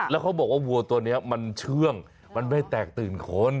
แล้วเขาบอกว่าวัวตัวนี้มันเชื่องมันไม่แตกตื่นคน